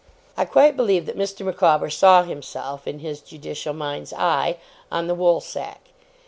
I quite believe that Mr. Micawber saw himself, in his judicial mind's eye, on the woolsack.